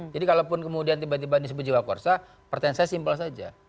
jadi kalau kemudian tiba tiba disebut jiwa kursa pertanyaan saya simple saja